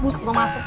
buset gue masuk